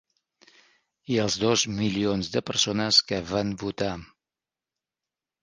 I als dos milions de persones que van votar.